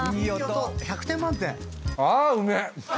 １００点満点。